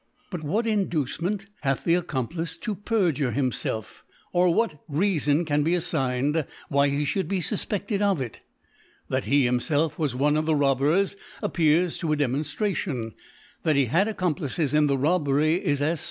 But what Inducement hath the Accom plice to perjure himfflf, or what Reafon can be affigned why he fhould be fufpefted of it ? That he himfelf was one of the Robbers appears to a Demonftration ; that he had Accomplices in the Robbery is as 2 certata.